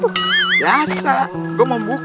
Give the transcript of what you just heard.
lu yang kepo nih